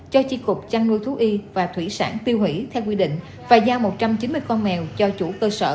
cho chi cục chăn nuôi thú y và thủy sản tiêu hủy theo quy định và giao một trăm chín mươi con mèo cho chủ cơ sở